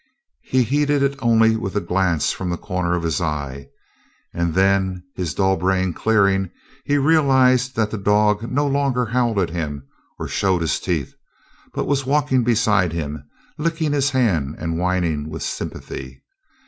He heeded it only with a glance from the corner of his eye. And then, his dull brain clearing, he realized that the dog no longer howled at him or showed his teeth, but was walking beside him, licking his hand and whining with sympathy.